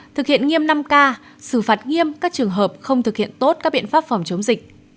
thực hiện nghiêm năm k xử phạt nghiêm các trường hợp không thực hiện tốt các biện pháp phòng chống dịch